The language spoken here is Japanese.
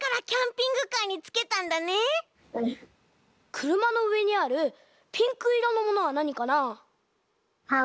くるまのうえにあるピンクいろのものはなにかな？